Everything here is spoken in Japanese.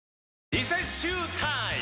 リセッシュータイム！